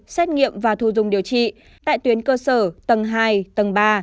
xét nghiệm và thu dung điều trị tại tuyến cơ sở tầng hai tầng ba